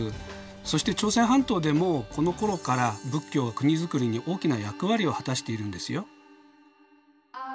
そして朝鮮半島でもこのころから仏教が国づくりに大きな役割を果たしているんですよ。